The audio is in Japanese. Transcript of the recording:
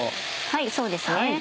はいそうですね。